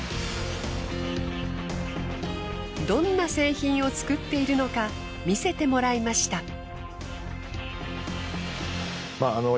どんな製品を作っているのか見せてもらいました。